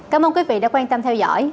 cảm ơn quý vị đã quan tâm theo dõi